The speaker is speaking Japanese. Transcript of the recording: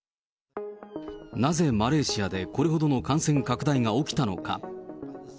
なぜマレーシアで、これほどの感染拡大が起きたのか。